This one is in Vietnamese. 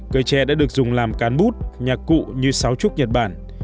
cây tre đã được dùng làm cán bút nhạc cụ như sáo trúc nhật bản